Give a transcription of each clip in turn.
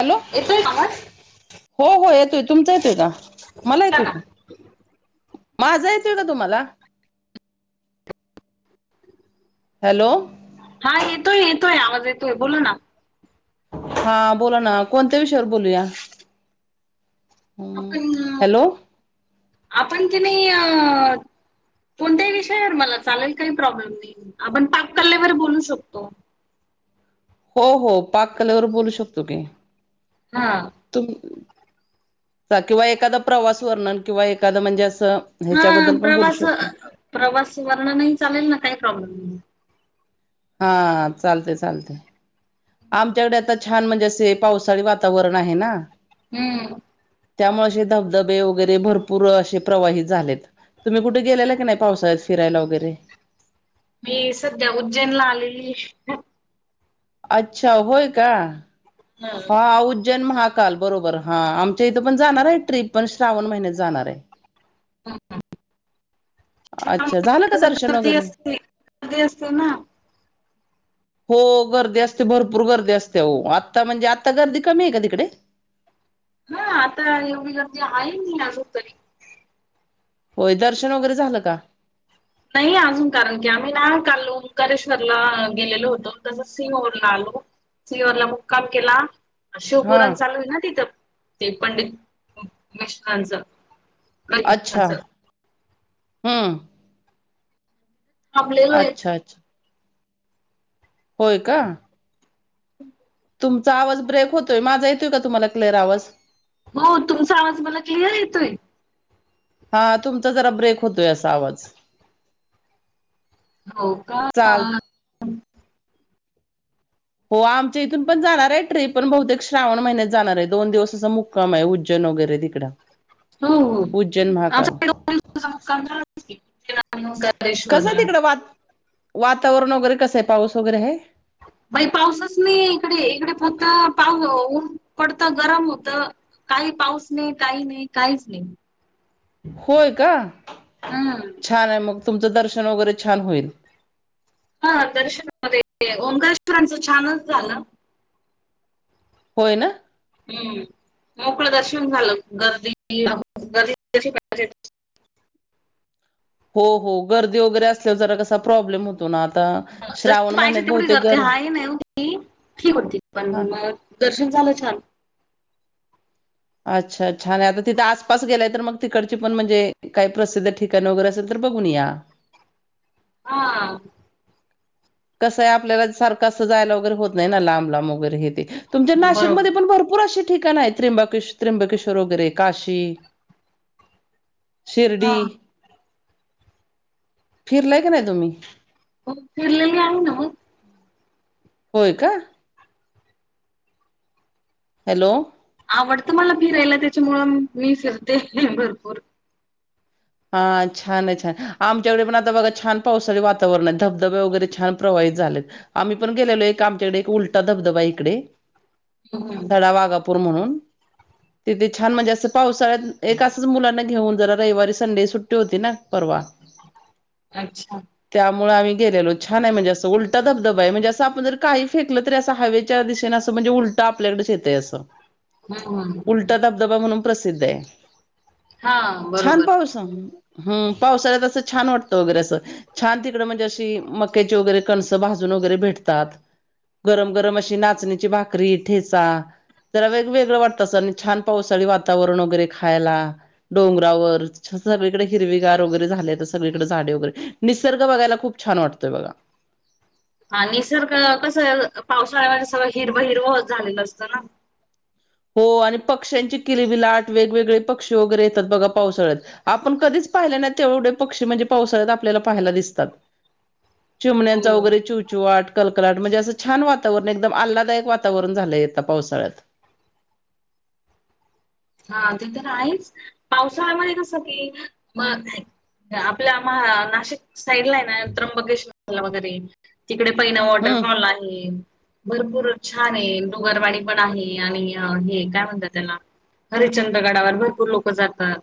Hello येतोय आवाज. हो हो येतोय तुमचा येतोय का, मला बोला येतोय ना का. माझा येतोय का तुम्हांला. हॅलो. हा येतोय येतोय आवाज, येतोय बोला ना. हा बोला ना, कोणत्या विषयावर बोलूया. आपण हॅलो आपण कणी अ. कोणत्याही विषयावर मला चालेल, काही प्रॉब्लेम नाही आपण पाककलेवर बोलू शकतो. हो हो पाक कलेवर बोलू शकतो की. हां. तुम किंवा एखादा प्रवास वर्णन, किंवा एखादं म्हणजे असं. हा हेच्याबद्दल पण बोलू प्रवास शकतो. प्रवास वर्ण नाही चालेल ना, काही प्रॉब्लेम नाही. हा चालतंय चालतंय. आमच्याकडे आता छान म्हणजे, असे पावसाळी वातावरण आहे ना. हम्म. त्यामुळें असे धबधबे वगैरे, भरपूर असे प्रवाहित झालेत. तुम्ही कुठे गेलेला की नाही, पावसाळ्यात फिरायला वगैरे. मी संध्या उज्जैनला आलेली. अच्छा होय कां. हा. हा उज्जैन महाकाल बरोबर हा. आमच्या इथं पण जाणार आहे ट्रीप पण, श्रावण महिन्यात जाणार हाय. [inaudible] [inaudible] अच्छा झालं का कसं दर्शन गर्दी वगैरे? असते गर्दी असते ना हो गर्दी असते भरपूर गर्दी असते हो. आत्ता म्हणजे आत्ता गर्दी कमी आहे का तिकडे? हं आता एवढी गर्दी आहे ना अजून तरी. होय दर्शन वगैरे झालं का? नाही अजून कारण की आम्ही ना चाललो ओंकारेश्वरला गेलेलो होतो तसं सिंग वरुन आलो. सिहरला मुक्काम केला. हा शिवपुुराण चालू आहे ना तिथं. ते पंडित निष्कांच. अच्छा! हं. आपल्या [unintelligible] अच्छा अच्छा होय का. तुमचा आवाज ब्रेक होतोय माझा येतोय का तुम्हाला क्लिअर आवाज? हो तुमचा आवाज मला क्लिअर येतोय. हा तुमचा जरा ब्रेक होतोय असा आवाज. हो का? चाल हो आमच्या इथून पण जाणार आहे ट्रिप पण, बहुतेक श्रावण महिन्यात जाणार आहे दोन दिवसाचा मुक्काम आहे उज्जैन वगैरे तिकडं. [inaudible] हो हो उज्जैन महाकाल आमच्या [unintelligible] कसं आहे तिकडं वात् वातावरण वगैरे कसं आहे पाऊस वगैरे आहे? बाई पाऊसच नाही इकडे इकडे फक्त पाऊ् ऊन पडत गरम होत. काही पाऊस नाही, काही नाही, काहीच नाही. होय का. हम्म छान आहे, मग तुमचं दर्शन वगैरे छान होईल. हा दर्शनामध्ये ओंकारेश्वराच छानच झालं. होय ना. हम्म मोकळ दर्शन झालं गर्दी गर्दी कशी पाहिजे तशी हो हो गर्दी वगैरे असल्यावर जरा कसा प्रॉब्लेम होतो ना आता श्रावण जशी पाहिजे महिन्यात तेवढी बहुतेक गर्दी गर हाय नाही ओ. [unintelligible] ठीक होती पण हा मग दर्शन झालं छान. अच्छा छान हाय आणि आता तिथे आसपास गेलाय तर मग तिकडची पण म्हणजे काही प्रसिद्ध ठिकाण वगैरे असेल तर बघून या. हां. कसं आहे आपल्याला सारखं असं जायला वगैरे होत नाही ना लांब लांब वगैरे हे ते. तुमच्या नाशिकमध्ये बरोबर पण भरपूर अशी ठिकाण आहेत. त्रंबकेश् त्रंबकेश्वर वगैरे काशी, हा शिर्डी. फिरलाय काय नाही तुम्ही? ओ फिरले [unintelligible] होय का. हॅलो! आवडतं मला फिरायला त्याच्यामुळं मी फिरते भरपूर. हा छान आहे छान आमच्याकडे पण आता बघा छान पावसाळी वातावरण आहे. धबधबे वगैरे छान प्रवाहित झालेत. आम्ही पण गेलेलो एक आमच्याकडे एक उलटा धबधबा इकडे हम्म, सडा वागा् पूर म्हणून तिथे छान म्हणजे असं पावसाळ्यात एक असच मुलांना घेऊन जरा रविवारी संडे सुट्टी होती ना परवा. अच्छा. त्यामुळे आम्ही गेलेलो छान आहे म्हणजे असं उलट धबधबा आहे म्हणजे अस आपण जर काही फेकलं तरी अस हवेत च्या दिशेने असं म्हणजे उलट आपल्याकडे येत असं. हम्म, उलटा धबधबा म्हणून प्रसिद्ध आहे हा छान बरोबर पाऊस हम् पावसाळ्यात असं छान वाटतं वगैरे असं. छान तिकडं म्हणजे अशी मक्याची वगैरे कणसं भाजून वगैरे भेटतात. गरम गरम अशी नाचणीची भाकरी ठेचा जरा वेगवेगळं वाटत असं आणि छान पावसाळी वातावरण वगैरे खायला डोंगरावर सगळीकडे हिरवीगार वगैरे झाले तर सगळीकडे झाडे वगैरे निसर्ग बघायला खूप छान वाटतोय बघा. निसर्ग कस पावसाळ्यामध्ये सगळं हिरवं हिरवं झालेलं असतं ना. हो आणि पक्ष्यांची किलबिलाट वेगवेगळे पक्षी वगैरे येतात बघा पावसाळ्यात. आपण कधीच पाहिले नाही तेवढे पक्षी म्हणजे पावसाळ्यात आपल्याला पाहायला दिसतात. चिमण्यांचा हो वगैरे चिवचिवाट कलकलाट म्हणजे असं छान वातावरण एकदम आल्लादायक वातावरण झालंय आता पावसाळ्यात. हा ते तर आहेच पावसाळ्यामध्ये कसं की म आपल्या आम्हा नाशिक साईडला आहे ना त्र्यंबकेश्वरला साईडला वगैरे तिकडे पहिना हम्म वॉटरफॉल आहे. भरपूर छान आहे डोंगरवाडी पण आहे आणि हे काय म्हणतात त्याला हरिचंद गडावर भरपूर लोकं जातात.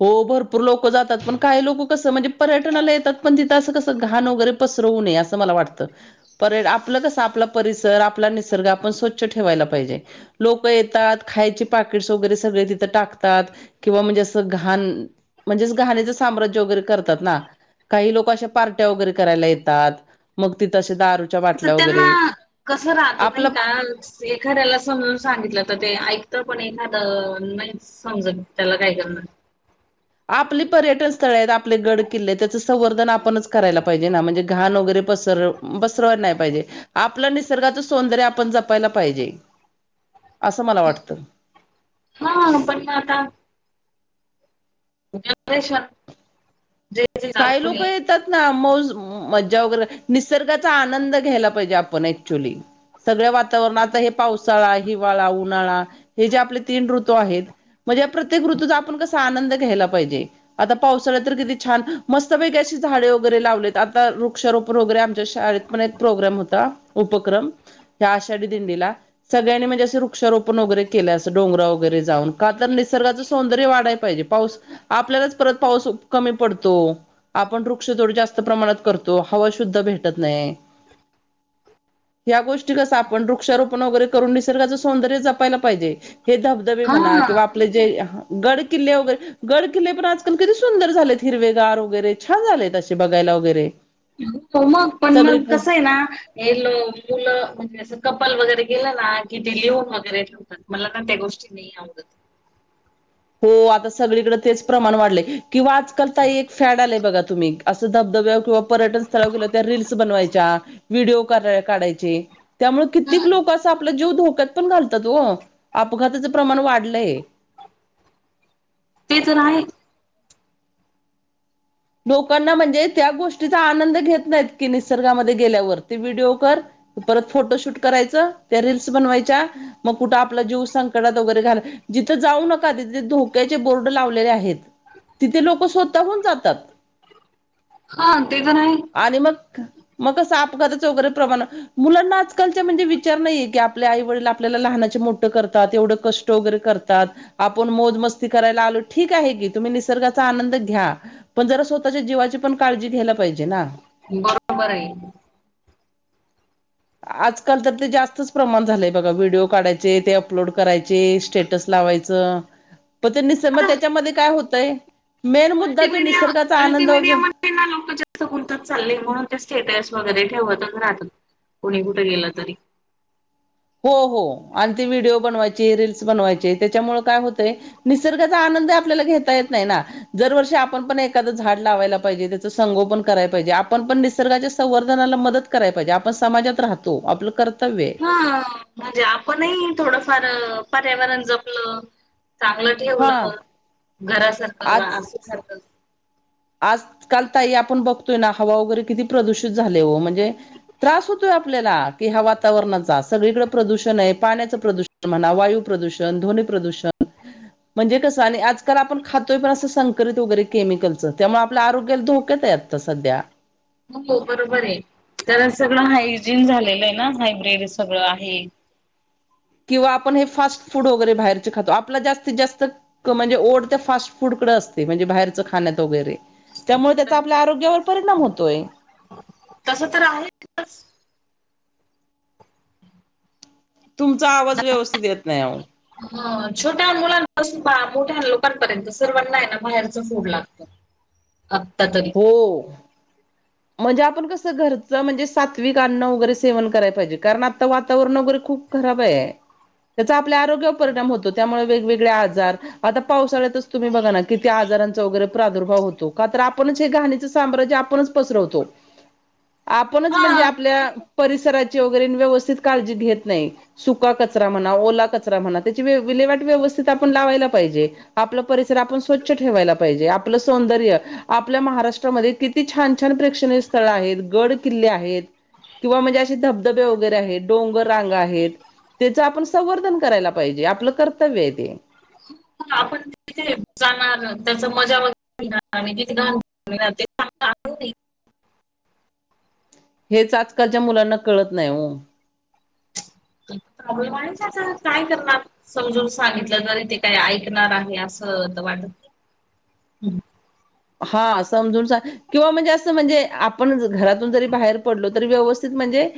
हो भरपूर लोकं जात पण काही लोक कसं म्हणजे पर्यटनाला येतात. पण तिथं असं कसं घाण वगैरे पसरवू नये असं मला वाटतं परेड आपलं कसं आपला परिसर आपला निसर्ग आपण स्वच्छ ठेवायला पाहिजे. लोक येतात खायचे पाॅकेट्स वगैरे सगळे तिथं टाकतात. किंवा म्हणजे असं घाण म्हणजे घाणीचं साम्राज्य वगैरे करतात ना. काही लोक अशा पार्ट्या वगैरे करायला येतात मग तिथं दारू तर त्यांना कसं राहत नाही आपला का? एखाद्याला समजून सांगितलं तर ते ऐकत पण एखादं नाहीच. समजत त्याला काय करणार. आपले पर्यटन स्थळ आहेत आपले गड किल्ले आहेत, आपणच करायला पाहिजे ना म्हणजे घाण वगैरे पसर बसरवायला नाही पाहिजे आपलं निसर्गाच सौंदर्य आपण जपायला पाहिजे असं मला वाटतंय. हा पण ना आता [unintelligible] जे जे काय चालू लोक आहे आहेत. निसर्गचा मौस मजा वगैरे निसर्गाचा आनंद घ्यायला पाहिजे आपण ऍक्चुली. सगळया वातावरणात हे पावसाळा, हिवाळा, उन्हाळा हे जे आपले तीन ऋतू आहेत. म्हणजे प्रत्येक ऋतूचा आपण कसा आनंद घ्यायला पाहिजे आता पावसाळात तर किती छान. मस्तपेगी अशी झाडे वगैरे लावलेत आता वृक्षारोप वगैरे आमच्या शाळेत पण एक प्रोग्राम होता. उपक्रम ह्या आषाढी दिंडीला. सगळ्यांनी म्हणजे असे वृक्षारोपण वगैर केलं असं डोंगरा वगैरे जाऊन का तर नवाढयचं सौंदर्य वाढायचं. पाहिजे पाऊस आपल्यालाच परत पाऊस कमी पडतो. आपण वृक्ष थोड जास्त प्रमाणात करतो हवा शुद्ध भेटत नाही. ह्या गोष्टी कस वृक्षारोपण वगैरे निसर्गाचं सौंदर्य जपायला पाहिजे. हे धबधबे म्हणा हा किंवा जे गड किल्ले वगैरे गड किल्ले पण आजकाल किती सुंदर झालेत हिरवे गार. वगैरे छान झालेत बघायला वगैरे. हो मग पण सगळी मग कसं आहे ना [unintelligible] मुलं म्हणजे असं कपल वगैरे गेलं ना की ते लिहून वगैरे ठेव तात मला का त्या गोष्टी नाही आवडत. हो आता सगळीकडे तेच प्रमाण वाढलंय किंवा आजकाल ताई एक फॅड आलाय बघा तुम्ही. असं धबधब्यावर किंवा पर्यटन स्थळावर गेलं त्या रील्स बनवायच्या, व्हिडिओ करा-काढायचे त्यामुळं कित्येक लोकं असं आपला जीव धोक्यात पण घालतात ओ अपघाताचं प्रमाण वाढलंय. ते तर आहे. लोकांना म्हणजे त्या गोष्टीचा आनंद घेत नाहीत की निसर्गामध्ये गेल्यावर ते व्हिडिओ कर परत फोटोशूट करायचं, त्या रील्स बनवायच्या मग कुठं आपला जीव संकटात वगैरे घाल जिथं जाऊ नका तिथे ते धोक्याचे बोर्ड लावलेले आहेत. तिथे लोकं स्वतःहून जातात. हां ते तर आहे. आणि मग मग कसं अपघाताचं वगैरे प्रमाण मुलांना आजकालच्या म्हणजे विचार नाहीये की आपले आई वडील आपल्याला लहानाचे मोठं करतात एवढं क ष्ट वगैरे करतात आपण मौज मस्ती करायला आलो, ठीक आहे की तुम्ही निसर्गाचा आनंद घ्या. पण जरा स्वतःच्या जीवाची पण काळजी घ्यायला पाहिजे ना? बरोबर आहे. आजकाल तर ते जास्तच प्रमाण झालंय बघा व्हिडिओ काढायचे ते अपलोड करायचे स्टेटस लावायचं [unintelligible] मग त्याच्यामध्ये काय होतंय मेन मुद्दा तो निसर्गाचा आनंद [unintelligible] [unintelligible] लोकं जास्त गुंतत चालले म्हणून ते स्टेटस वगैरे ठेवतच राहतात. कुणी कुठं गेलं तरी. हो हो आणि ते व्हिडिओ बनवायचे रील्स बनवायचे त्याच्यामुळं काय होतंय निसर्गाचा आनंदही आपल्याला घेता येत नाही ना. दरवर्षी आपण पण एखादं झाड लावायला पाहिजे, त्याचं संगोपन कराय पाहिजे आपण पण निसर्गाच्या संवर्धनाला मदत कराय पाहिजे आपण समाजात राहतो आपलं कर्तव्य आहे. हां म्हणजे आपणही थोडंफार पर्यावरण जपलं चांगलं हा ठेवलं घरासारखं वा [unintelligible] आज काल ताई आपण बघतोय ना हवा वगैरे किती प्रदूषित झाली हो म्हणजे त्रास होतोय आपल्याला की ह्या वातावरणाचा, सगळीकडं प्रदूषण आहे पाण्याचं प्रदू म्हणा वायू प्रदूषण, ध्वनी प्रदूषण म्हणजे कसं आणि आजकाल आपण खातोय पण असं संक्ररीत वगैरे केमिकल च त्यामुळे आपलं आरोग्य धोक्यात आहे आत्ता सध्या. हो बरोबर आहे तर सगळं हायजीन झालेलं आहे ना हायब्रीड सगळं आहे. किंवा आपण हे फास्ट फूड वगैरे बाहेरचे खातो आपला जास्तीत जास्त क म्हणजे ओढ त्या फास्टफुडकडं असते म्हणजे बाहेरचं खाण्यात वगैरे. त्यामुळे त्याचा आपल्या आरोग्यावर परिणाम होतोय. तसं तर आहे. तुमचा आवाज व्यवस्थित येत नाही अहो. हं छोट्या मुलांपासून बा मोठ्या लोकांपर्यंत सर्वांना आहे ना बाहेरच फूड लाग त आत्ता तरी. हो. म्हणजे आपण कसं घरचं म्हणजे सात्विक अन्न वगैरे सेवन कराय पाहिजे, कारण आता वातावरण वगैरे खूप खराब आहे, त्याचा आपल्या आरोग्यवर परिणाम होतो त्यामुळं वेगवेगळे आजार आता पावसाळ्यातच तुम्ही बघा ना किती आजारांचा वगैरे प्रादुर्भाव होतो. का तर आपणच हे घाणीचं साम्राज्य आपणच, पसरवतो आपणच हा म्हणजे आपल्या. परिसराची वगैरे व्यवस्थित काळजी घेत नाही. सुका कचरा म्हणा. ओला कचरा म्हणा त्यांची विलेवाट व्यवस्थित आपण लावायला पाहिजे. आपलं परिसर आपण स्वच्छ ठेवायला पाहिजे, आपलं सौंदर्य आपल्या महाराष्ट्रामध्ये किती छान. छान प्रेक्षणीय स्थळ आहेत, गड किल्ले आहेत. किंवा म्हणजे असे धबधबे वगैरे आहेत, डोंगर रांगा आहेत. त्यांच आपण संवर्धन करायला पाहिजे, आपलं कर्तव्य आहे ते. आपण. तिथे जाणार त्याचं मजा [unintelligible] हेच आजकालच्या मुलांना कळत नाही हो. प्रॉब्लेम आहेच, आता काय करणार. समजून सांगितलं तरी ते काय ऐकणार आहे. असं वाट हा समजून सांग किंवा म्हणजे, असं म्हणजे आपण घरातून जरी बाहेर. पडलो तरी व्यवस्थित म्हणजे,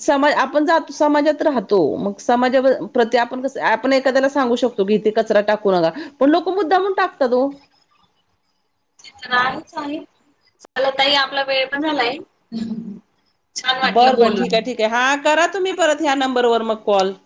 समाज आपण जो समाजात राहतो. मग समाजा प्रती आपण कसं आपण एखाद्याला सांगू शक तुम्ही येथे कचरा टाकू नका, पण लोकं मुद्दाम हून टाकतात ओ. ते तर आहेच आहे, चला ताई आपला वेळ पण झालाय. छान वाटलं बरं बरं ठीक बोलून. आहे ठीक आहे, हा करा तुम्ही परत ह्या नंबरवर मग कॉल.